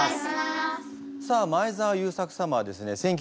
さあ前澤友作様はですね